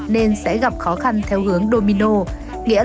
nên sẽ gặp khó khăn theo hướng domino nghĩa là một chuỗi phản ứng liên hoàn